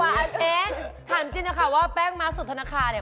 แฟนถามจริงนะคะว่าแป้งมาร์คสูตรธนาคาเนี่ย